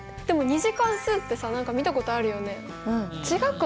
でも「２次関数」ってさ何か見たことあるよね。